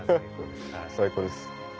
最高です。